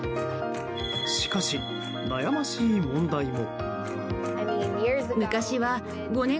しかし、悩ましい問題も。